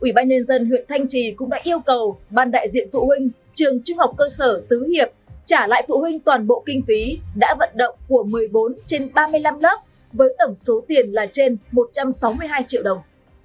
ủy ban nhân dân huyện thanh trì cũng đã yêu cầu ban đại diện phụ huynh trường trung học cơ sở tứ hiệp trả lại phụ huynh toàn bộ kinh phí đã vận động của một mươi bốn trên ba mươi năm lớp với tổng số tiền là trên một trăm sáu mươi hai triệu đồng